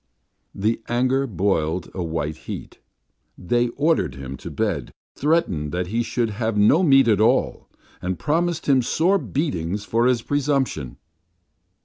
The anger boiled a white heat. They ordered him to bed, threatened that he should have no meat at all, and promised him sore beatings for his presumption.